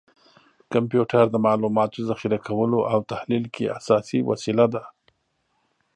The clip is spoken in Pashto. کمپیوټر د معلوماتو ذخیره کولو او تحلیل کې اساسي وسیله ده.